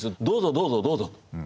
どうぞどうぞどうぞ。